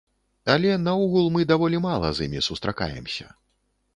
Але наогул мы даволі мала з імі сустракаемся.